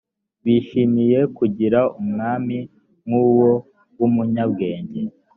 bishimiye kugira umwami nk uwo w umunyabwenge